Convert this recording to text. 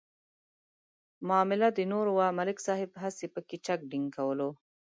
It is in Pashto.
معامله د نور وه ملک صاحب پکې هسې چک ډینک کولو.